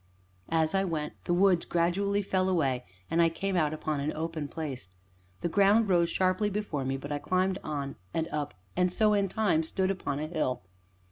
As I went, the woods gradually fell away, and I came out upon an open place. The ground rose sharply before me, but I climbed on and up and so, in time, stood upon a hill.